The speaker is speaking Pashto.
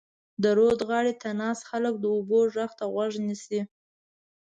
د رود غاړې ته ناست خلک د اوبو غږ ته غوږ نیسي.